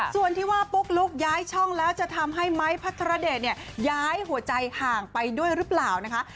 ส่วนที่ว่าปุ๊กลุ๊กย้ายช่องแล้วจะทำให้ไม้พัทรเดชเนี่ยย้ายหัวใจห่างไปด้วยหรือเปล่านะคะ